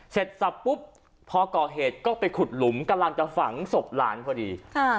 เสร็จสับปุ๊บพอก่อเหตุก็ไปขุดหลุมกำลังจะฝังศพหลานพอดี